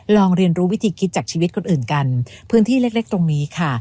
เรียนรู้วิธีคิดจากชีวิตคนอื่นกันพื้นที่เล็กตรงนี้ค่ะ